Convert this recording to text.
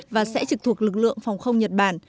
và sẽ trực thuộc lực lượng phòng không nhật bản